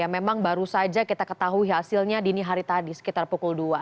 memang baru saja kita ketahui hasilnya dini hari tadi sekitar pukul dua